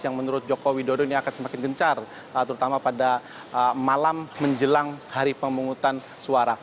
yang menurut jokowi dodo ini akan semakin gencar terutama pada malam menjelang hari pemungutan suara